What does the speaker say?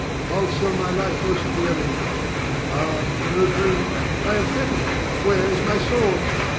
I'll sell my life most dearly. Ah, 'tis no dream, I am fettered! Where is my sword?